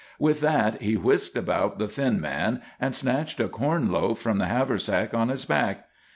With that he whisked about the thin man, and snatched a corn loaf from the haversack on his back.